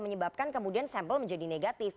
menyebabkan kemudian sampel menjadi negatif